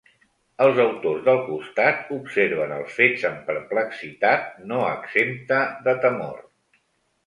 Els autors del costat observen els fets amb perplexitat no exempta de temor.